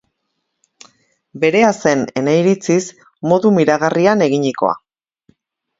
Berea zen, ene iritziz, modu miragarrian eginikoa.